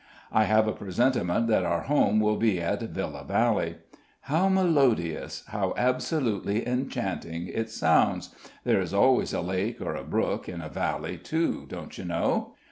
I have a presentiment that our home will be at Villa Valley. How melodious how absolutely enchanting it sounds. There is always a lake or a brook in a valley, too, don't you know?"